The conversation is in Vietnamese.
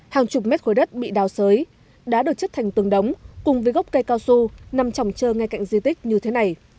hàng chục mét khối đất bị đào sới đá được chất thành tường đóng cùng với gốc cây cao su nằm trỏng trơ ngay cạnh di tích như thế này